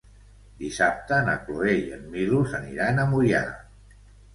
Dissabte na Cloè i en Milos aniran a Moià.